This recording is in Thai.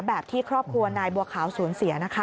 แบบที่ครอบครัวนายบัวขาวสูญเสียนะคะ